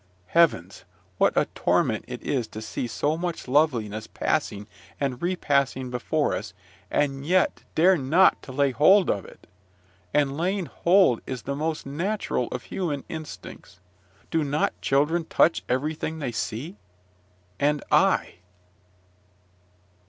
Heavens! what a torment it is to see so much loveliness passing and repassing before us, and yet not dare to lay hold of it! And laying hold is the most natural of human instincts. Do not children touch everything they see? And I!